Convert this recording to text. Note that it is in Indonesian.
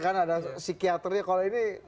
ada psikiaternya kalau ini